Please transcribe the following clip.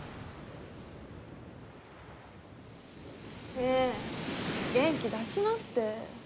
ねえ元気出しなって。